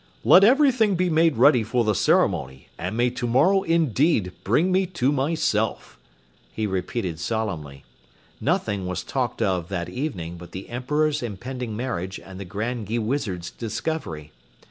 "Let everything be made ready for the ceremony, and may tomorrow indeed bring me to myself," he repeated solemnly. Nothing was talked of that evening but the Emperor's impending marriage and the Grand Gheewizard's discovery.